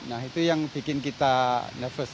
nah itu yang bikin kita neverse